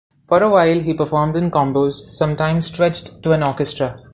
For a while, he performed in combos, sometimes stretched to an orchestra.